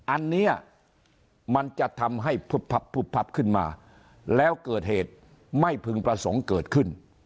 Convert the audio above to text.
อันนี้มันจะทำให้พุบพับขึ้นมาแล้วเกิดเหตุไม่พึงประสงค์เกิดขึ้น